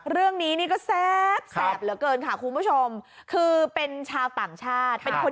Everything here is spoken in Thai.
เรื่องนี้นี่ก็แซ่บเหลือเกินค่ะคุณผู้ชมคือเป็นชาวต่างชาติเป็นคน